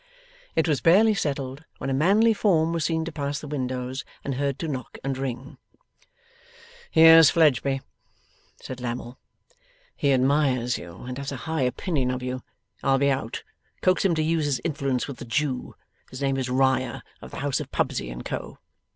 It was barely settled when a manly form was seen to pass the windows and heard to knock and ring. 'Here's Fledgeby,' said Lammle. 'He admires you, and has a high opinion of you. I'll be out. Coax him to use his influence with the Jew. His name is Riah, of the House of Pubsey and Co.